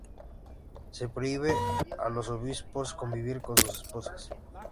Se prohíbe a los obispos convivir con sus esposas.